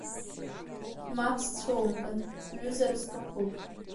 Мап сцәумкын, уҩызара сҭахуп.